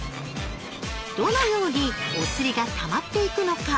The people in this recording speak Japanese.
どのようにおつりがたまっていくのか？